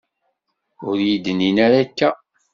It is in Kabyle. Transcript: Ur yi-d-nnin ara akka.